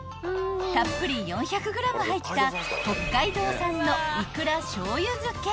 ［たっぷり４００ｇ入った北海道産のいくら醤油漬け］